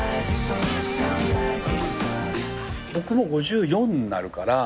僕５４になるから。